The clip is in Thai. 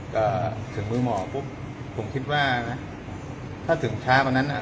ก็ถึงมือหมอปุ๊บผมคิดว่านะถ้าถึงช้าวันนั้นอ่ะ